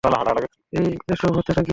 এই, এসব হচ্ছেটা কী?